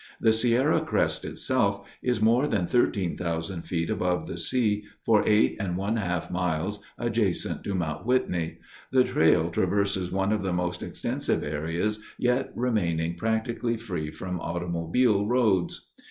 The Sierra crest, itself, is more than 13,000 feet above the sea for eight and one half miles adjacent to Mount Whitney. The trail traverses one of the most extensive areas yet remaining practically free from automobile roads.